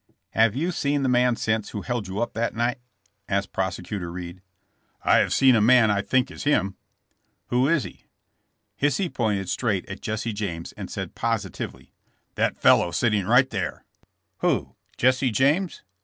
Have you seen the man since who held yo]i up that night ?" asked Prosecutor Reed. I have seen a man I think is him." Whoishe?" Hisey pointed straight at Jesse James and said positively : *'That fellow sitting right there." Who, Jesse James?" 162 JESSB JAMKS.